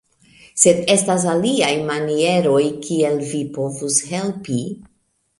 Sed estas aliaj manieroj kiel vi povus helpi